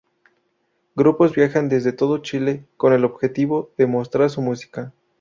Grupos viajan desde todo Chile con el objetivo de mostrar su música.